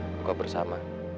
buka barang bersama